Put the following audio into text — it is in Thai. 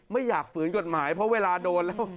ไม่อยากฝืนกฎหมายเพราะเวลาโดนแล้ว